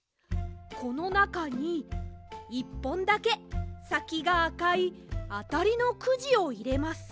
このなかに１ぽんだけさきがあかいあたりのくじをいれます。